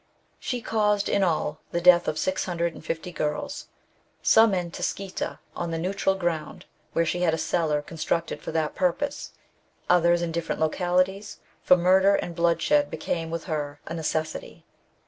'•' She causedj in all, the death of 650 girls, some in Tscheita, on the neutral ground, where she had a cellar constructed for the purpose ; others in different localities ; for murder and Woodshed hecame with her a necessity.